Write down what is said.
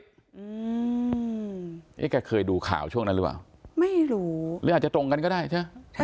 เอ๊ะแกเคยดูข่าวช่วงนั้นหรือเปล่าไม่รู้หรืออาจจะตรงกันก็ได้ใช่ไหม